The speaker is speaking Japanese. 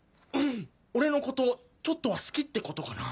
俺のことちょっとは好きってことかな？